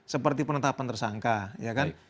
seperti penetapan tersangka ya kan